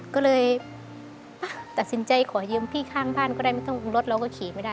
ก็เลยตัดสินใจขอยืมพี่ข้างบ้านก็ได้ไม่ต้องรถเราก็ขี่ไม่ได้